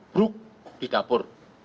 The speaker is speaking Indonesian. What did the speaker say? buruk di dapur